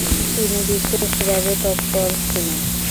তিনি বিশেষভাবে তৎপর ছিলেন।